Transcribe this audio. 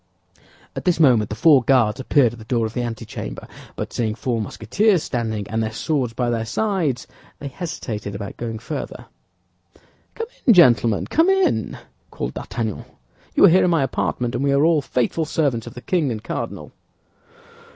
At this moment the four Guards appeared at the door of the antechamber, but seeing four Musketeers standing, and their swords by their sides, they hesitated about going farther. "Come in, gentlemen, come in," called D'Artagnan; "you are here in my apartment, and we are all faithful servants of the king and cardinal."